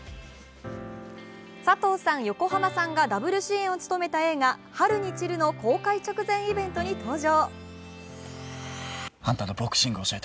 佐藤さん、横浜さんがダブル主演を務めた映画「春に散る」の公開直前イベントに登場。